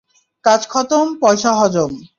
কাজ খতম পয়সা হজম।